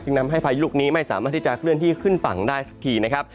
นำให้พายุลูกนี้ไม่สามารถที่จะเคลื่อนที่ขึ้นฝั่งได้สักทีนะครับ